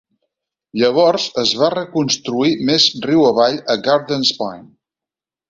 Llavors es va reconstruir més riu avall a Gardens Point.